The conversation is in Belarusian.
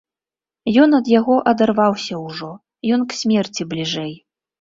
Ён ад яго адарваўся ўжо, ён к смерці бліжэй.